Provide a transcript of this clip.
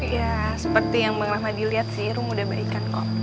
ya seperti yang bang rahmadi liat sih rum udah baik kan kok